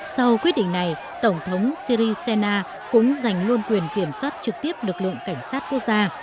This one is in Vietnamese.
sau quyết định này tổng thống sri sena cũng giành luôn quyền kiểm soát trực tiếp lực lượng cảnh sát quốc gia